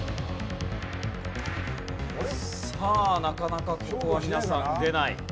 なかなかここは皆さん出ない。